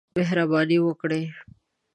مهرباني وکړئ